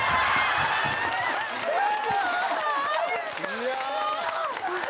いや。